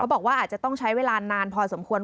บอกว่าอาจจะต้องใช้เวลานานพอสมควร